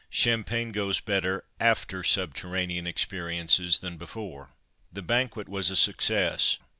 Champagne goes better after subterranean experiences than before." The banquet was a success.